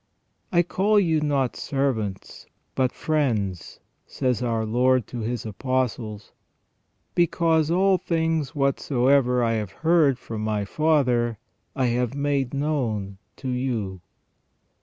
" I call you not servants but friends," said our Lord to His Apostles, " because all things whatsoever I have heard from My Father I have made known to you."